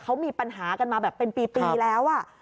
เขามีปัญหากันมาแบบเป็นปีแล้ว